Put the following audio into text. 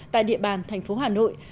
tại địa bàn thành phố hà nội